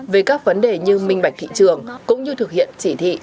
về các vấn đề như minh bạch thị trường cũng như thực hiện chỉ thị